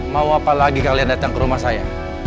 mau apa lagi kalian datang ke rumah saya